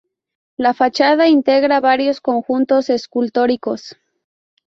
La fachada integra varios conjuntos escultóricos.